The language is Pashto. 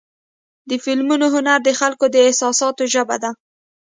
د فلمونو هنر د خلکو د احساساتو ژبه ده.